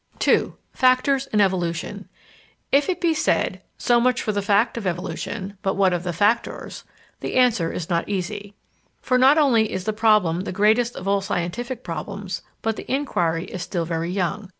§ 2 Factors in Evolution If it be said "So much for the fact of evolution, but what of the factors?" the answer is not easy. For not only is the problem the greatest of all scientific problems, but the inquiry is still very young.